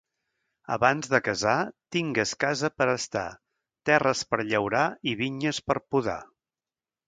Abans de casar tingues casa per estar, terres per llaurar i vinyes per podar.